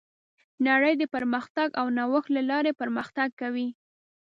نړۍ د پرمختګ او نوښت له لارې پرمختګ کوي.